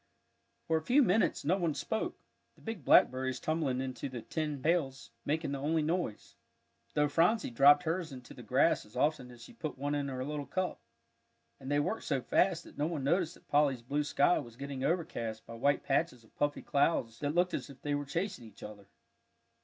For a few minutes no one spoke; the big blackberries tumbling into the tin pails making the only noise, though Phronsie dropped hers into the grass as often as she put one in her little cup. And they worked so fast, that no one noticed that Polly's blue sky was getting overcast by white patches of puffy clouds that looked as if they were chasing each other.